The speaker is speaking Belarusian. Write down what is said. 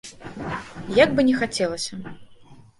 Як бы не хацелася.